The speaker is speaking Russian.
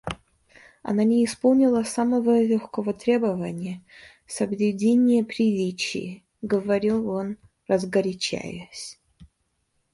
Она не исполнила самого легкого требования — соблюдения приличий, — говорил он разгорячаясь.